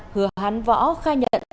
hứa hắn võ khai nhận